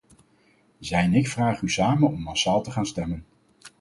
Zij en ik vragen u samen om massaal te gaan stemmen.